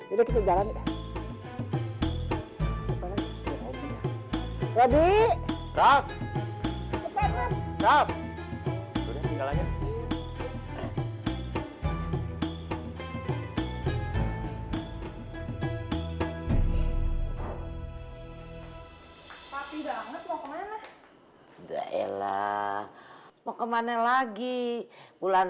yaudah kita jalan